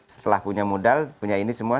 setelah punya modal punya ini semua